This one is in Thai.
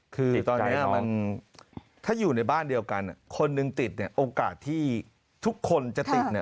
คือตอนนี้ถ้าอยู่ในบ้านเดียวกันคนหนึ่งติดโอกาสที่ทุกคนจะติด